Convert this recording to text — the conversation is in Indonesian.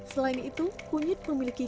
selain itu kunyit memiliki